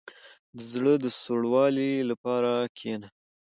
• د زړه د سوړوالي لپاره کښېنه.